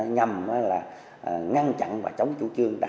nhằm là ngăn chặn bệnh